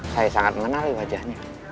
saya sangat mengenali wajahnya